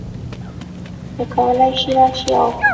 نو کولی شې راشې او